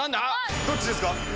どっちですか？